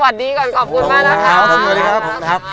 สวัสดีก่อนขอบคุณมากนะครับ